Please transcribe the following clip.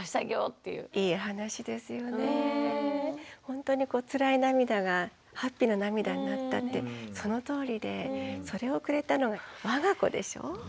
ほんとにつらい涙がハッピーな涙になったってそのとおりでそれをくれたのがわが子でしょ。